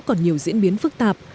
còn nhiều diễn biến phức tạp